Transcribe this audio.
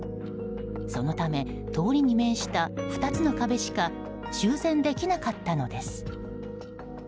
そのため通りに面した２つの壁しか修繕できなかったのです。